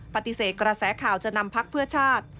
ปฏิเสธกระแสข่าวจะนำพักเพื่อชาติ